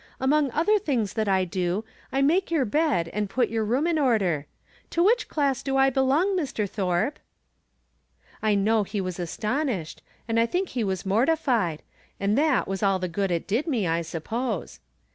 Among other things that I do, I make your bed and put your room in order. To which class do I belong, Mr. Thorpe ?" I know he was astonished, and I think he was mortified, and that was all the good it did me, I suppose.